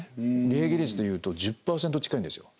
利益率でいうと１０％近いんですよ